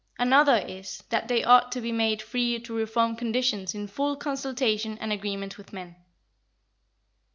Another is that they ought to be made free to reform conditions in full consultation and agreement with men.